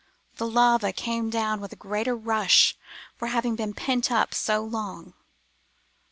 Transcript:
The lava came down with a greater rush for having been pent up so long.